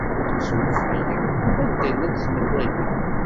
Suref-iyi. Anda i llant tmellalin?